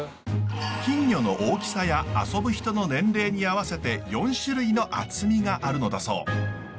金魚の大きさや遊ぶ人の年齢に合わせて４種類の厚みがあるのだそう。